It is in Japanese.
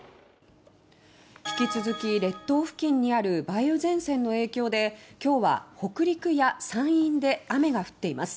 引き続き列島付近にある梅雨前線の影響できょうは北陸や山陰で雨が降っています。